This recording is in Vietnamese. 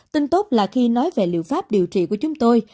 tình tốt là khi nói về liệu pháp điều trị